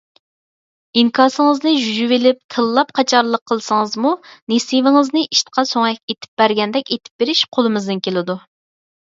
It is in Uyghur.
ئىنكاسىڭىزنى يۇيۇۋېلىپ تىللاپ قاچارلىق قىلسىڭىزمۇ نېسىۋېڭىزنى ئىتقا سۆڭەك ئېتىپ بەرگەندەك ئېتىپ بېرىش قولىمىزدىن كېلىدۇ.